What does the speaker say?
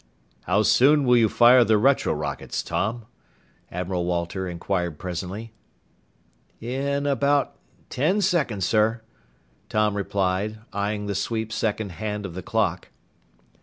"How soon will you fire the retro rockets, Tom?" Admiral Walter inquired presently. "In about ten seconds, sir," Tom replied, eying the sweep second hand of the clock.